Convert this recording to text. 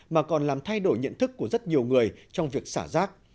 mà còn làm thay đổi nhận thức của rất nhiều người trong việc xả rác